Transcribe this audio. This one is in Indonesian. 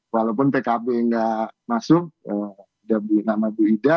walaupun pkb nggak masuk udah beli nama bu ida